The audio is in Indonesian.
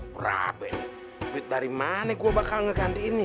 praben duit dari mana gua bakal ngegantiin nih